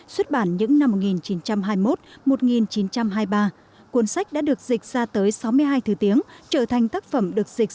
xuất bản những năm một nghìn chín trăm hai mươi một một nghìn chín trăm hai mươi ba cuốn sách đã được dịch ra tới sáu mươi hai thứ tiếng trở thành tác phẩm được dịch